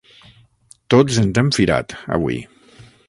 Tots ens hem firat, avui!